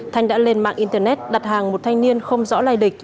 thanh đã lên mạng internet đặt hàng một thanh niên không rõ lai lịch